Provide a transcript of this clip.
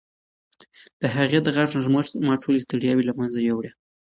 د هغې د غږ نرمښت زما ټولې ستړیاوې له منځه یووړې.